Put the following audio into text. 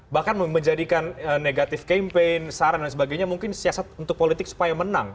bahkan menjadikan negatif campaign saran dan sebagainya mungkin siasat untuk politik supaya menang